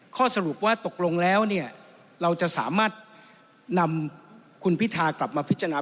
ข้อสรุปว่าตกลงแล้วเนี่ยเราจะสามารถนำคุณพิธากลับมาพิจารณา